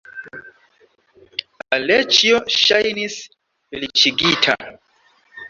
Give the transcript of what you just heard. Aleĉjo ŝajnis feliĉigita.